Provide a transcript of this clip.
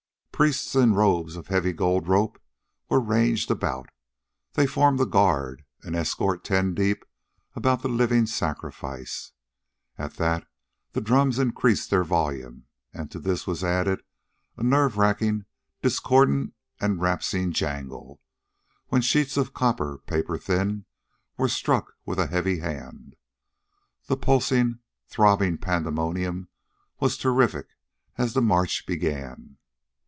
Priests, in robes of heavy golden rope, were ranged about; they formed a guard and escort ten deep about the living sacrifice. At that the drums increased their volume, and to this was added a nerve racking, discordant and rasping jangle, when sheets of copper, paper thin, were struck with a heavy hand. The pulsing, throbbing pandemonium was terrific as the march began.